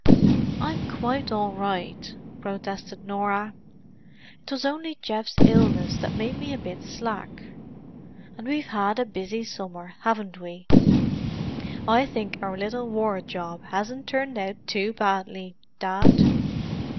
"I'm quite all right," protested Norah. "It was only Geoff's illness that made me a bit slack. And we've had a busy summer, haven't we? I think our little war job hasn't turned out too badly, Dad."